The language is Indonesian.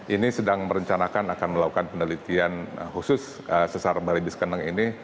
ini sedang merencanakan akan melakukan penelitian khusus sesar baribis kendeng ini